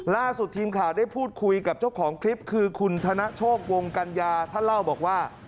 ล่าสุดทีมข่าวได้พูดคุยกับเจ้าของคลิปคือคุณธนโชควงกัญญาท่านเล่าบอกว่า